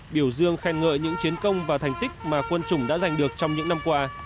biểu dương khen ngợi những chiến công và thành tích mà quân chủng đã giành được trong những năm qua